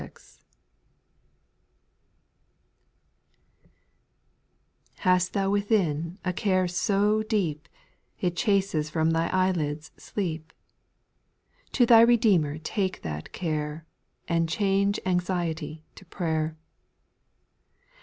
TJAST Thou within a care so deep, XX It chases from thine eyelids sleep % To thy Redeemer take that care, And change anxiety to prayer.